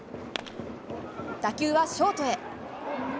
打球はショートへ。